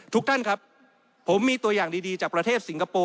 ทุกท่านครับผมมีตัวอย่างดีจากประเทศสิงคโปร์